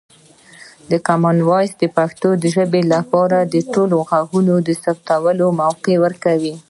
کامن وایس د پښتو لپاره د ټولو غږونو ثبتولو موقع ورکوي.